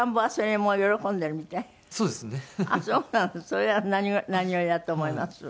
それは何よりだと思います。